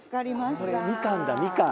これみかんだみかん。